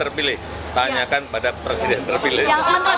terpilih tanyakan pada presiden terpilih